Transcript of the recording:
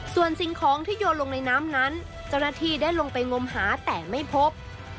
ส่วนสิ่งของที่โยนลงในน้ำนั้นเจ้าหน้าที่ได้ลงไปงมหาแต่ไม่พบ